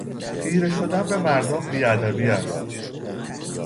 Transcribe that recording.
خیرهشدن به مردم بی ادبی است.